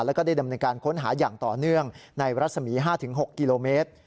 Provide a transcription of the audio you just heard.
แล้วก็ได้ดำเนินการค้นหาอย่างต่อเนื่องในรัศมี๕๖กิโลเมตร